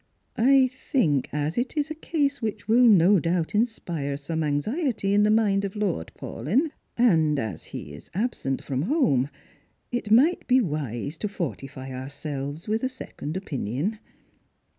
I think, as it is a case which no doubt will inspire some anxiety in the mind of Lord Paulyn, and as he is absent from home, it might be wise to fortify our selves with a second opinion."